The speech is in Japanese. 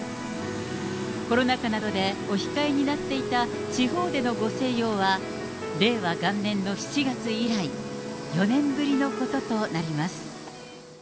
コロナ禍などでお控えになっていた地方でのご静養は、令和元年の７月以来、４年ぶりのこととなります。